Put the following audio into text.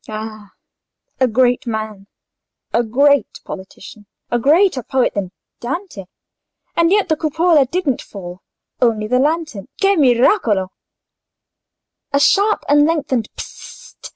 Ah! a great man—a great politician—a greater poet than Dante. And yet the cupola didn't fall, only the lantern. Che miracolo!" A sharp and lengthened "Pst!"